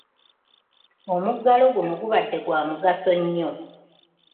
Omuggalo guno gubadde gwa mugaso nnyo.